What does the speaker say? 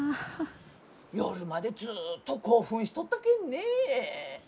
夜までずっと興奮しとったけんね。